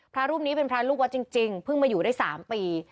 พระรูปนี้เป็นพระลูกวัดจริงเพิ่งมาอยู่ได้๓ปี